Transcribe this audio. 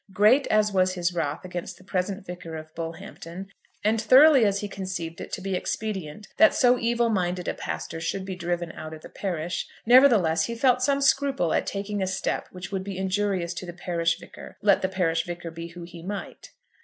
Great as was his wrath against the present Vicar of Bullhampton, and thoroughly as he conceived it to be expedient that so evil minded a pastor should be driven out of the parish, nevertheless he felt some scruple at taking a step which would be injurious to the parish vicar, let the parish vicar be who he might.